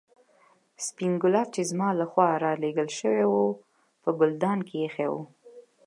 سپين ګلاب چې زما له خوا رالېږل شوي وو په ګلدان کې ایښي وو.